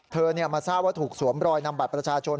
มาทราบว่าถูกสวมรอยนำบัตรประชาชน